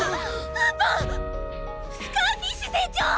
スカイフィッシュ船長！